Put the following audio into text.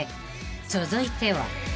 ［続いては］